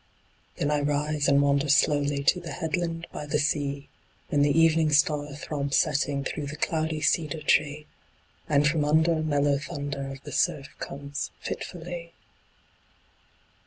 Then I rise and wander slowly To the headland by the sea, When the evening star throbs setting Through the cloudy cedar tree, And from under, mellow thunder Of the surf comes fitfully.